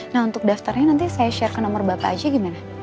nah untuk daftarnya nanti saya share ke nomor bapak aja gimana